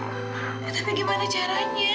tapi gimana caranya